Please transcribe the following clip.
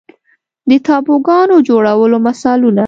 د تابوګانو جوړولو مثالونه